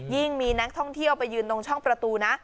มีนักท่องเที่ยวไปยืนตรงช่องประตูนะ